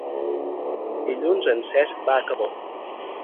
Dilluns en Cesc va a Cabó.